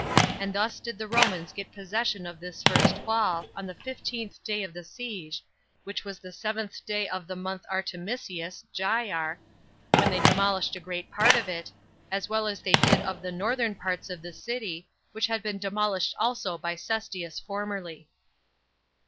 And thus did the Romans get possession of this first wall, on the fifteenth day of the siege, which was the seventh day of the month Artemisius, [Jyar,] when they demolished a great part of it, as well as they did of the northern parts of the city, which had been demolished also by Cestius formerly.